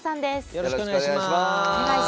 よろしくお願いします。